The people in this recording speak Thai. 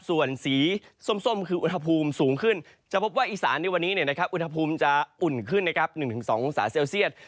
ส่วนสีส้มคืออุณหภูมิสูงขึ้นจะพบว่าอีสานในวันนี้อุณหภูมิจะอุ่นขึ้นนะครับ๑๒องศาเซลเซียต